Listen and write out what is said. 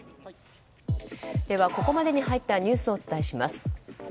ここまでに入ったニュースをお伝えします。